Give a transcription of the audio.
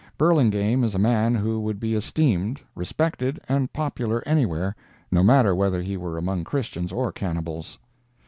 Burlingame is a man who would be esteemed, respected and popular anywhere, no matter whether he were among Christians or cannibals.